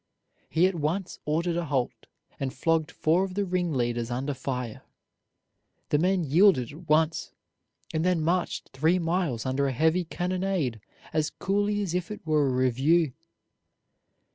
He at once ordered a halt, and flogged four of the ringleaders under fire. The men yielded at once, and then marched three miles under a heavy cannonade as coolly as if it were a review.